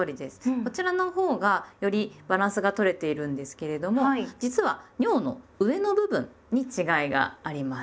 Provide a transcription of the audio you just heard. こちらのほうがよりバランスがとれているんですけれども実は「にょう」の上の部分に違いがあります。